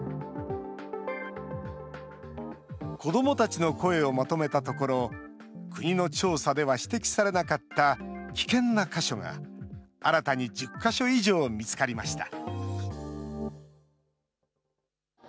子どもたちの声をまとめたところ、国の調査では指摘されなかった危険な箇所が新たに１０か所以上見つかりました。